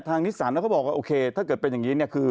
ทางนิพษ์ศาลเขาก็บอกโอเคถ้าเกิดเป็นนี่เนี่ยคือ